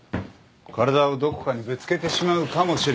体をどこかにぶつけてしまうかもしれない。